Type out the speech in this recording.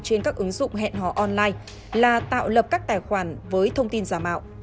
trên các ứng dụng hẹn hò online là tạo lập các tài khoản với thông tin giả mạo